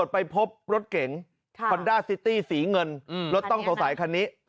ไปพบรถเก๋งคอนด้าซิตี้สีเงินรถต้องสงสัยคันนี้